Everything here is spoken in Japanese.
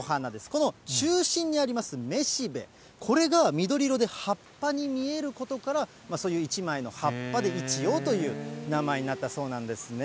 この中心にあります雌しべ、これが緑色で葉っぱに見えることから、そういう一枚の葉っぱで一葉という名前になったそうなんですね。